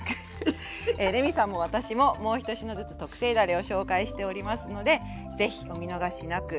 レミさんも私ももう１品ずつ特製だれを紹介しておりますので是非お見逃しなく。